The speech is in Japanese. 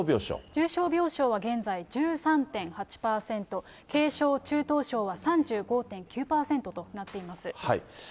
重症病床は現在、１３．８％、軽症・中等症は３５．９％となっています。